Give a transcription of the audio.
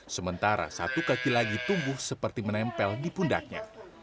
sementara satu kaki lagi tumbuh seperti menempel di pundaknya